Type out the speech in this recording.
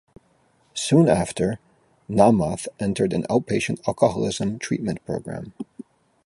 Soon after, Namath entered an outpatient alcoholism treatment program.